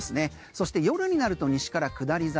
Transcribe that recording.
そして夜になると西から下り坂。